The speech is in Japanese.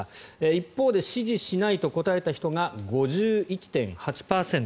一方で支持しないと答えた人が５１．８％